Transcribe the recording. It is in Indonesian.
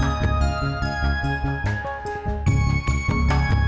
aku tak ingat apa apa bet